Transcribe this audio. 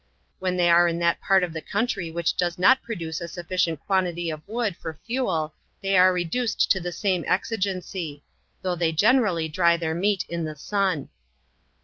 When they are in that part of their coun try which does not produce a sufficient quantity of wood for fuel, they are reduced to the same exigency; though they generally dry their meat in the sun.